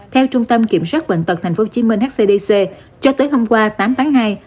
theo trung tâm kiểm soát bệnh tật tp hcm hcdc cho tới hôm qua tám tháng hai